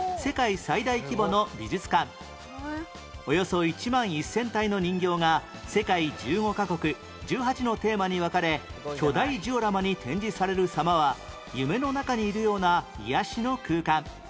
およそ１万１０００体の人形が世界１５カ国１８のテーマに分かれ巨大ジオラマに展示される様は夢の中にいるような癒やしの空間